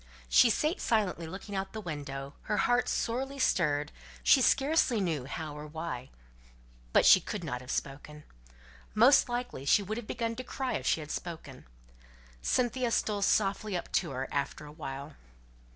She sate silently looking out of the window, her heart sorely stirred, she scarcely knew how or why. But she could not have spoken. Most likely she would have begun to cry if she had spoken. Cynthia stole softly up to her after a while.